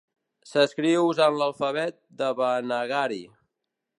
S'escriu usant l'alfabet devanagari.